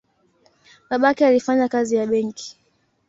Babake alifanya kazi ya benki.